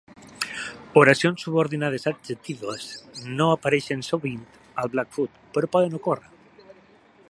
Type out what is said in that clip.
Oracions subordinades adjectives no apareixen sovint a Blackfoot, però poden ocórrer.